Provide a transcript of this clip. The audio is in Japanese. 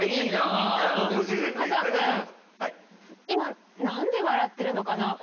今なんで笑ってるのかな？